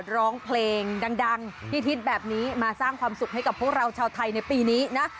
ร้องเพลงดังที่ฮิตแบบนี้มาสร้างความสุขให้กับพวกเราชาวไทยในปีนี้นะ